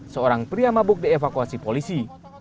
seorang pria mabuk dievakuasi polisi